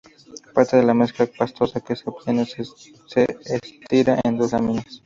Parte de la mezcla pastosa que se obtiene se estira en dos láminas.